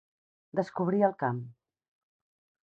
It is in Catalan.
Descobrir el camp.